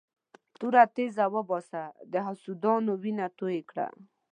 توره تېزه وباسه د حسودانو وینه توی کړه.